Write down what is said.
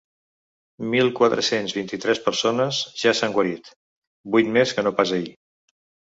Mil quatre-cents vint-i-tres persones ja s’han guarit, vuit més que no pas ahir.